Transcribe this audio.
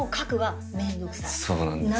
そうなんですよね。